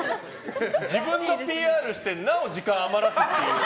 自分のＰＲしてなお時間を余らすって。